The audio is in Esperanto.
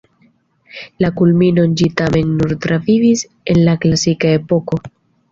La kulminon ĝi tamen nur travivis en la klasika Epoko.